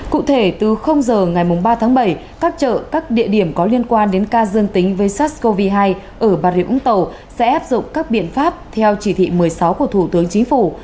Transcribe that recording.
cụ thể từ h ngày ba tháng bảy các chợ các địa điểm có liên quan đến ca dương tính với sars cov hai ở bà rịa vũng tàu sẽ áp dụng các biện pháp theo chỉ thị một mươi sáu của thủ tướng chính phủ